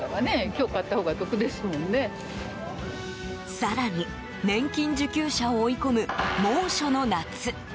更に、年金受給者を追い込む猛暑の夏。